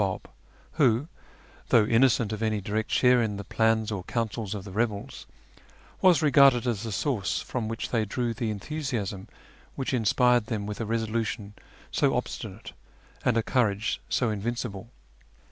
ll), nvIki, though innocent of any direct share in the plans or councils of the rebels, was regarded as tlie source from which they drew the enthusiasm wliich in spired them with a resolution so obstinate and a courage so invincible.